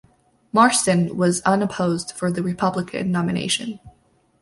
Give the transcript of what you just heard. Marston was unopposed for the Republican nomination.